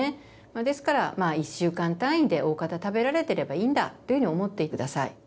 ですから１週間単位でおおかた食べられてればいいんだというふうに思って下さい。